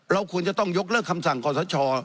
เราควรจะต้องยกเลิกคำสั่งขอสช